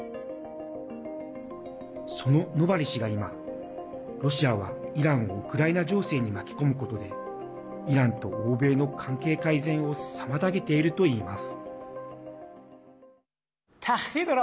そのノバリ氏が今ロシアは、イランをウクライナ情勢に巻き込むことでイランと欧米の関係改善を妨げているといいます。